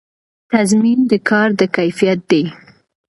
تضمین د کار د کیفیت دی